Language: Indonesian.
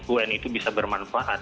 un itu bisa bermanfaat